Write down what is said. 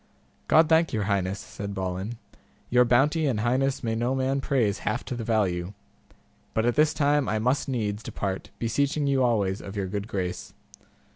God thank your highness, said Balin, your bounty and highness may no man praise half to the value; but at this time I must needs depart, beseeching you alway of your good grace.